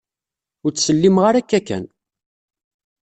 Ur ttsellimeɣ ara akka kan.